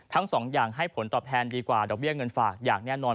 ทั้งสองอย่างให้ผลตอบแทนดีกว่าดอกเบี้ยเงินฝากอย่างแน่นอน